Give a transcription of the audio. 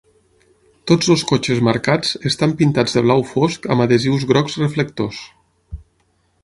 Tots els cotxes marcats estan pintats de blau fosc amb adhesius grocs reflectors.